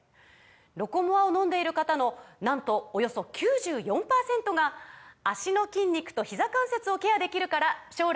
「ロコモア」を飲んでいる方のなんとおよそ９４％が「脚の筋肉とひざ関節をケアできるから将来も安心！」とお答えです